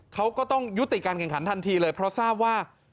เขาก็ต้องยุติการแข่งขันทันทีเลยเพราะทราบว่า